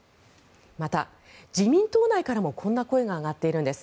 また、自民党内からもこんな声が上がっているんです。